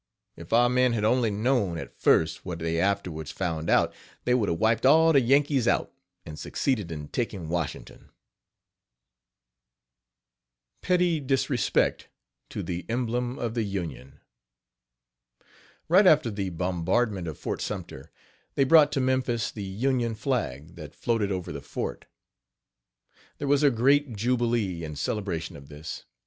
If our men had only known, at first, what they afterwards found out, they would have wiped all the Yankees out, and succeeded in taking Washington." PETTY DISRESPECT TO THE EMBLEM OF THE UNION. Right after the bombardment of Fort Sumpter, they brought to Memphis the Union flag that floated over the fort. There was a great jubilee in celebration of this.